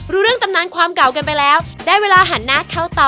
ขอบคุณครับครับขอบคุณครับครับครับ